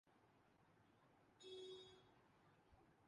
سوچنا ہے ضرور ۔